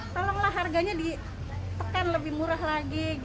tolonglah harganya ditekan lebih murah lagi